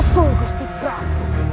tunggu gusti prabu